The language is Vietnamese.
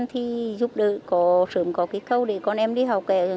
thì giúp đỡ sớm có cái cầu để con em đi học vất vả nhiều